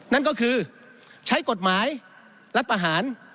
นั่นก็คือใช้กฎหมายรัฐประหาร